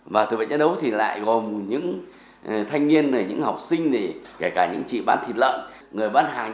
và tự vệ chiến đấu thì lại gồm những thanh niên những học sinh kể cả những chị bán thịt lợn người bán hàng